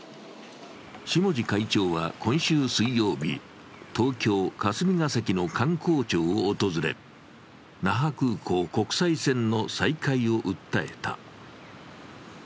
下地会長は今週水曜日、東京・霞が関の観光庁を訪れ那覇空港国際線の再開を訴えた。